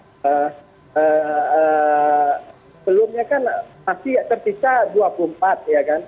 sebelumnya kan masih terpisah dua puluh empat ya kan